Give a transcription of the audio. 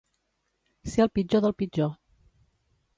Ser el pitjor del pitjor.